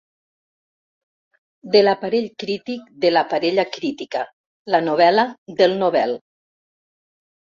«De l'aparell crític de La parella crítica, la novel·la del Nobel».